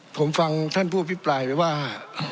ผมฟังท่านผู้อภิปรายไปว่า